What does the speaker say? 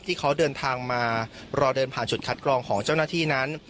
ที่เขาเดินทางมารอเดินผ่านจุดคัดกรองของเจ้าหน้าที่นั้น